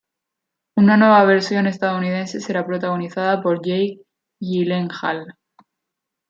Una nueva versión estadounidense será protagonizada por Jake Gyllenhaal.